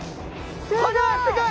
すごい。